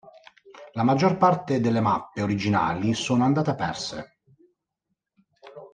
La maggior parte delle mappe originali sono andate perse.